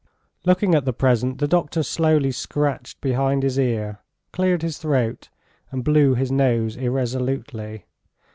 Looking at the present, the doctor slowly scratched behind his ear, cleared his throat and blew his nose irresolutely.